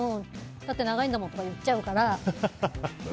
だって長いんだもんって言っちゃうから。